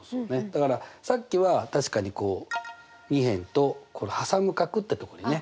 だからさっきは確かに２辺と挟む角ってとこにね